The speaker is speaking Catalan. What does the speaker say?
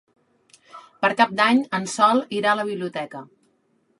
Per Cap d'Any en Sol irà a la biblioteca.